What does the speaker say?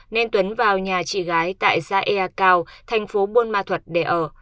nên tuấn vào nhà chị gái tại sa ea cao thành phố buôn ma thuộc để ở